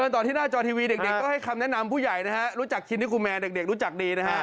ตอนที่หน้าจอตีวีเด็กให้คำแนะนำผู้ใหญ่รู้จักอังจริง